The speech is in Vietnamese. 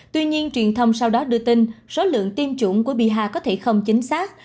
tuy nhiên truyền thông sau đó đưa tin số lượng tiêm chủng của biaha có thể không chính xác